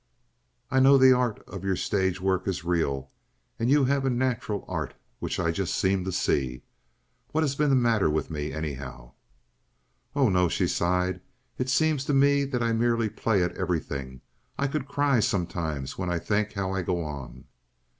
"I know the art of your stage work is real, and you have a natural art which I just seem to see. What has been the matter with me, anyhow?" "Oh no," she sighed. "It seems to me that I merely play at everything. I could cry sometimes when I think how I go on."